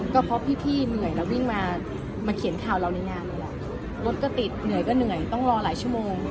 ก็เพราะพี่เหนื่อยแล้ววิ่งมาเขียนข่าวเราในงานเลยแหละรถก็ติดเหนื่อยก็เหนื่อยต้องรอหลายชั่วโมง